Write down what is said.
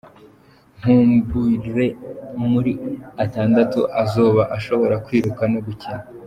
Nkumbure muri atandatu azoba ashobora kwiruka no gukina.